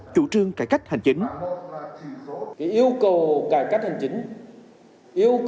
chủ trương cải cách hành chính nhà nước